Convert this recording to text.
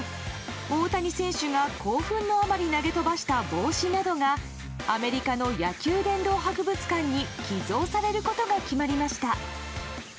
大谷選手が興奮のあまり投げ飛ばした帽子などがアメリカの野球殿堂博物館に寄贈されることが決まりました。